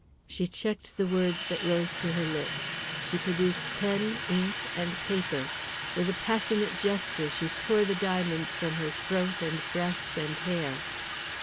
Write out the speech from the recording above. She checked the words that rose to her lips. She produced pen, ink, and paper. With a passionate gesture she tore the diamonds from her throat and breast and hair.